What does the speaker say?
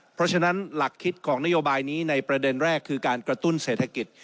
เพราะฉะนั้นหลักคิดของนโยบายนี้ในประเด็นแรกคือการกระตุ้นเศรษฐกิจ